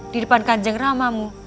di depan kancing ramamu